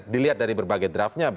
dilihat dari berbagai draftnya